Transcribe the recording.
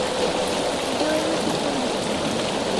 Udělejme si v tom jasno.